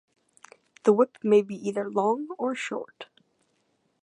The whip may be either long or short.